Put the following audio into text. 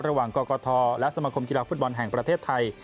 ระหว่างกกทและสมคมกีฬาฟุตบอลแห่งประเทศไทย